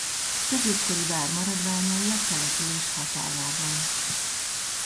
Középkori vár maradványai a település határában.